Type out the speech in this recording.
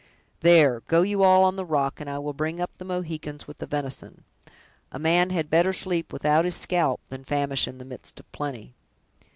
There, go you all on the rock, and I will bring up the Mohicans with the venison. A man had better sleep without his scalp, than famish in the midst of plenty."